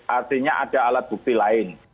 artinya ada alat bukti lain